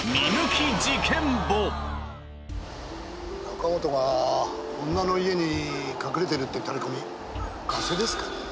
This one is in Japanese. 中本が女の家に隠れてるってタレコミガセですかね？